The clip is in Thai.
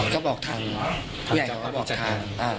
ก็บอกทาง